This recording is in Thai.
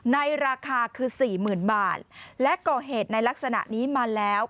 ในราคาคือ๔๐๐๐บาทและก่อเหตุในลักษณะนี้มาแล้ว